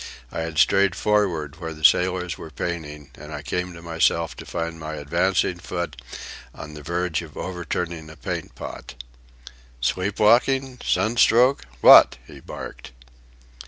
I had strayed forward where the sailors were painting, and I came to myself to find my advancing foot on the verge of overturning a paint pot. "Sleep walking, sunstroke,—what?" he barked.